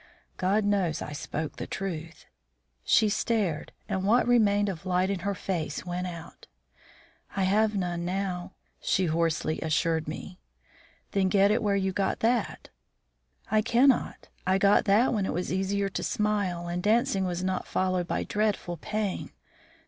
(God knows I spoke the truth.) She stared, and what remained of light in her face went out. "I have none now," she hoarsely assured me. "Then get it where you got that." "I cannot. I got that when it was easier to smile, and dancing was not followed by dreadful pain.